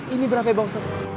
ini berapa ya bang ustadz